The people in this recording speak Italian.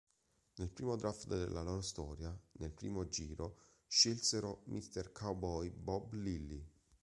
Nel primo Draft della loro storia, nel primo giro scelsero "Mr. Cowboy" Bob Lilly.